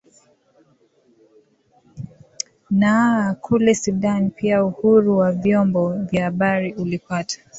naa kule sudan pia uhuru wa vyombo vya habari ulipata